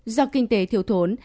do kinh tế thiếu thốn